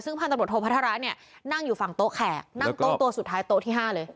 ซึ่งพันตำลดโทษศิลป์พัทระเนี้ยนั่งอยู่ฝั่งโต๊ะแขกนั่งโต๊ะตัวสุดท้ายโต๊ะที่ห้าเลย